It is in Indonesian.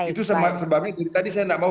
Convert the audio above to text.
itu sebabnya jadi tadi saya tidak mau